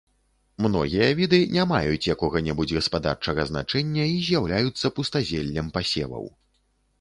Многія віды не маюць якога-небудзь гаспадарчага значэння і з'яўляюцца пустазеллем пасеваў.